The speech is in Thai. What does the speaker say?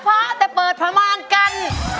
พอดนตรีมาแล้วพอแต่เปิดพระม่างกัน